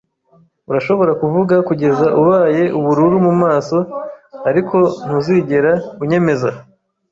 Urashobora kuvuga kugeza ubaye ubururu mumaso, ariko ntuzigera unyemeza.